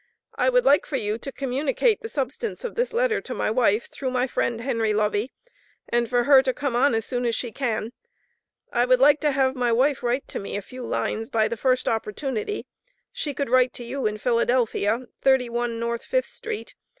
I would like for you to communicate the substance of this letter to my wife, through my friend Henry Lovey, and for her to come on as soon as she can. I would like to have my wife write to me a few lines by the first opportunity. She could write to you in Philadelphia, 31 North Fifth street.